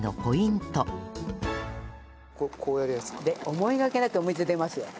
思いがけなくお水が出ますよ。